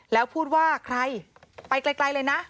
แล้วพูดว่าใครไปไกลเลยนะ